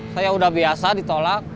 saya udah biasa ditolak